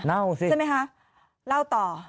สิใช่ไหมคะเล่าต่อ